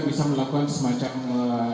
bisa melakukan semacam